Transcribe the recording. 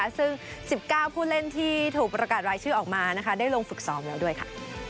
ซึ่ง๑๙ผู้เล่นที่ถูกประกาศรายชื่อออกมาได้ลงฝึกซ้อมแล้วด้วยค่ะ